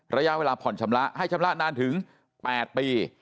ระยะเวลาผ่อนชำระให้ชำระนานถึง๘ปี